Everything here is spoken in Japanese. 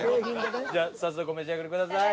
じゃあ早速お召し上がりください。